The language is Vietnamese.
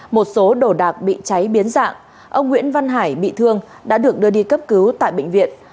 một số đồ đạc bị cháy biến dạng ông nguyễn văn hải bị thương đã được đưa đi cấp cứu tại bệnh viện